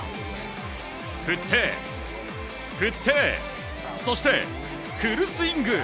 振って、振ってそして、フルスイング。